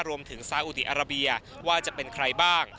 รวมถึงซาอุดีอาราเบียว่าจะเป็นใครบ้าง